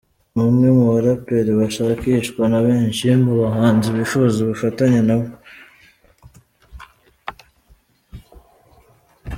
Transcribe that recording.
Ni umwe mu baraperi bashakishwa na benshi mu bahanzi bifuza ubufatanye na we.